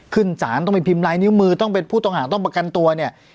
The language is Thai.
ขึ้นศาลต้องไปพิมพ์ลายนิ้วมือต้องเป็นผู้ต้องหาต้องประกันตัวเนี่ย